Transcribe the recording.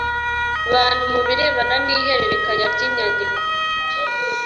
Bantu mu birebana n ihererekanya ry inyandiko